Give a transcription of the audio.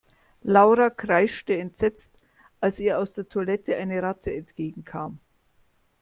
Laura kreischte entsetzt, als ihr aus der Toilette eine Ratte entgegenkam.